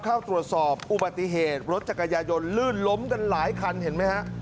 เข้าตรวจสอบอุบัติเหตุรถจักรยายนลื่นล้มกันหลายคันเห็นไหมฮะ